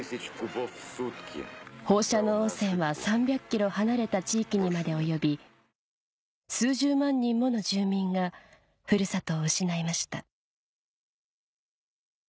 放射能汚染は３００ｋｍ離れた地域にまで及び数十万人もの住民が古里を失いました